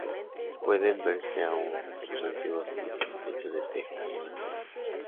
Pueden verse aún sus antiguos pisos, techos de teja y aberturas.